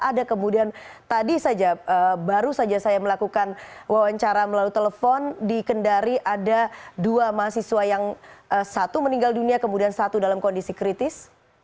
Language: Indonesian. ada kemudian tadi saja baru saja saya melakukan wawancara melalui telepon di kendari ada dua mahasiswa yang satu meninggal dunia kemudian satu dalam kondisi kritis